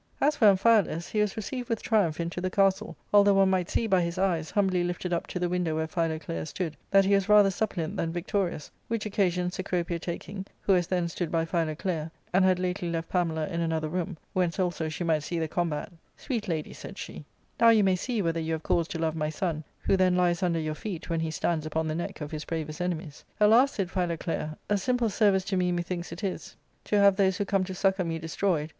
As for Amphialus, he was received with triumph into the castle, although one might see by his eyes, humbly lifted up to the window where Philoclea stood, that he was rather suppliant than victorious, which occasion Cecropia taking, who as then stood by Philoclea, and had lately left Pamela in another room, whence also she might see the combat, Sweet lady," said she, " now you may see whether you have cause to love my son, who then lies under your feet when he stands upon the neck of his bravest enemies." " Alas !" said Philoclea, " a simple service to me methinks it is, to have 294 ARCADIA.Sook III. those who come to succour me destroyed.